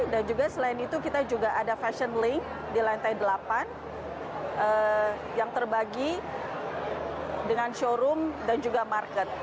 dan juga selain itu kita juga ada fashion link di lantai delapan yang terbagi dengan showroom dan juga market